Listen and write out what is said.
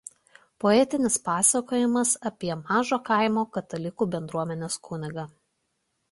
Poetinis pasakojimas apie mažos kaimo katalikų bendruomenės kunigą.